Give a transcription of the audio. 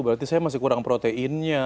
berarti saya masih kurang proteinnya